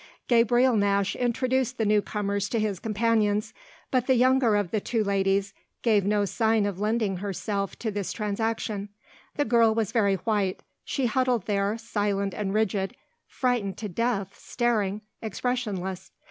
Gabriel Nash introduced the new comers to his companions; but the younger of the two ladies gave no sign of lending herself to this transaction. The girl was very white; she huddled there, silent and rigid, frightened to death, staring, expressionless.